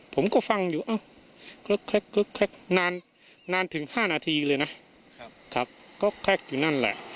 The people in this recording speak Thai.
ผมก็ฟังอยู่คล็อกคล็อกคล็อกคล็อกนานถึง๕นาทีเลยนะ